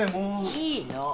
いいの。